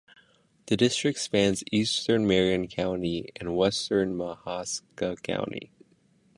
The district spans eastern Marion County and western Mahaska County.